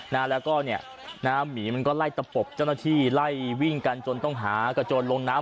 นะแล้วก็เนี่ยนะฮะหมีมันก็ไล่ตะปบเจ้าหน้าที่ไล่วิ่งกันจนต้องหากระโจนลงน้ำ